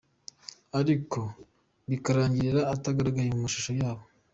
ariko bikarangira atagaragaye mu mashusho yabo.